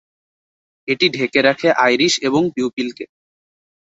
এটি ঢেকে রাখে আইরিশ এবং পিউপিলকে।